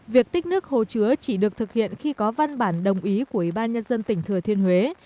việc tích nước hồ chứa chỉ được thực hiện khi có văn bản đồng ý của ủy ban nhân dân tỉnh thừa thiên huế